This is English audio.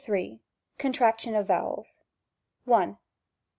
Contraction op Vowels. • 1.